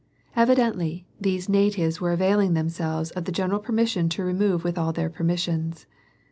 Evidently, these natives were availing themselves of the general permission to remove with all their possessions.